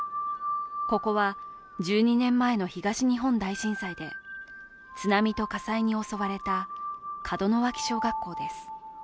ここは１２年前の東日本大震災で津波と火災に襲われた門脇小学校です。